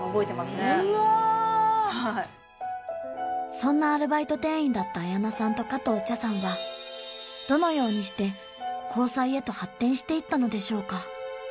そんなアルバイト店員だった綾菜さんと加藤茶さんはどのようにして交際へと発展していったのでしょうか？